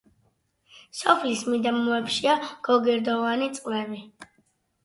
სოფლის მიდამოებშია გოგირდოვანი წყლები.